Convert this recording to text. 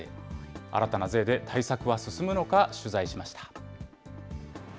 新たな税で対策は進むのか、取材しました。